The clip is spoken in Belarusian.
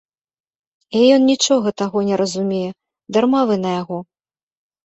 І ён нічога таго не разумее, дарма вы на яго.